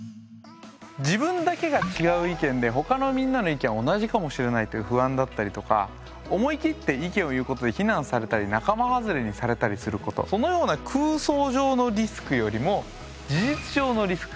自分だけが違う意見で他のみんなの意見は同じかもしれないという不安だったりとか思い切って意見を言うことで非難されたり仲間外れにされたりすることそのような「空想上のリスク」よりも「事実上のリスク」